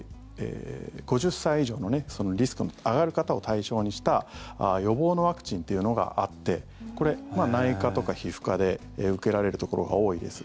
５０歳以上のリスクの上がる方を対象にした予防のワクチンというのがあってこれ、内科とか皮膚科で受けられるところが多いです。